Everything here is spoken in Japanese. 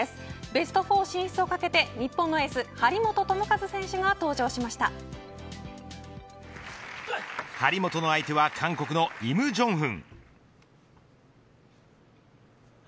ベスト４進出をかけて日本のエース張本智和選手が張本の相手は韓国のイム・ジョンフン。